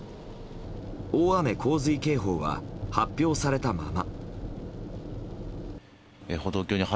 大雨・洪水警報は発表されたまま。